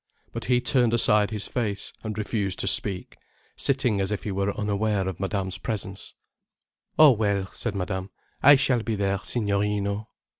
But he turned aside his face, and refused to speak, sitting as if he were unaware of Madame's presence. "Oh well," said Madame. "I shall be there, Signorino."